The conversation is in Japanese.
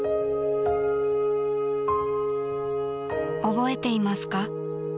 ［「憶えていますか？」］